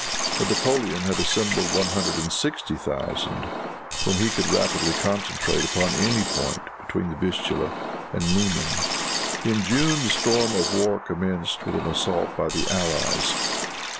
But Napoleon had assembled one hundred and sixty thousand whom he could rapidly concentrate upon any point between the Vistula and the Niemen. In June the storm of war commenced with an assault by the allies.